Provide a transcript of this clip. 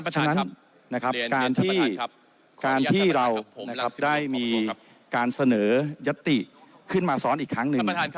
ฉะนั้นการที่เราได้มีการเสนอยัตติขึ้นมาซ้อนอีกครั้งหนึ่ง